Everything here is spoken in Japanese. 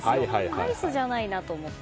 アイスじゃないなと思って。